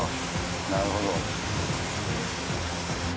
なるほど。